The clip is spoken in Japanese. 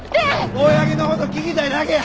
大八木の事聞きたいだけや。